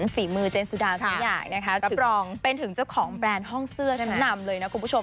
ฝีมือเจนสุดาสักอย่างนะคะรับรองเป็นถึงเจ้าของแบรนด์ห้องเสื้อชั้นนำเลยนะคุณผู้ชม